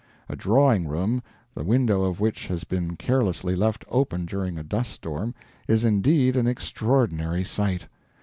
A drawing room, the window of which has been carelessly left open during a dust storm, is indeed an extraordinary sight.